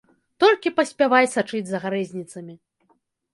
Толькі паспявай сачыць за гарэзніцамі.